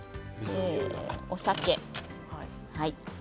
お酒。